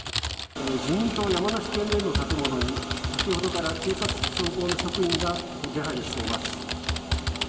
自民党山梨県連の建物に先ほどから警察の職員が出入りしています。